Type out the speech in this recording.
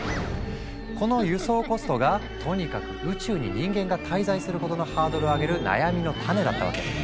この輸送コストがとにかく宇宙に人間が滞在することのハードルを上げる悩みの種だったわけ。